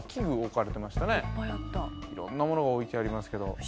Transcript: いろんな物が置いてありますけど。